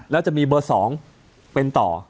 แล้วจะมีเบอร์๒เป็นต่อ